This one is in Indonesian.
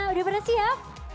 udah bener siap